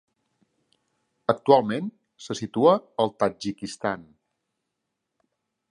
Actualment se situa al Tadjikistan.